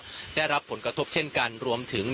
ตอนนี้ผมอยู่ในพื้นที่อำเภอโขงเจียมจังหวัดอุบลราชธานีนะครับ